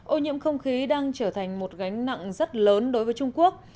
ô nhiễm không khí đang trở thành một gánh nặng rất lớn đối với trung quốc